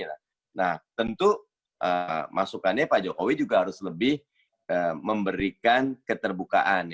nah tentu masukannya pak jokowi juga harus lebih memberikan keterbukaan